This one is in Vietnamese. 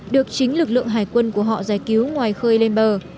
được chính lực lượng hải quân của họ giải cứu ngoài khơi lên bờ